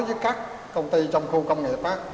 với các công ty trong khu công nghiệp